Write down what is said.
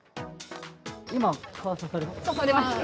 今、蚊、刺されました？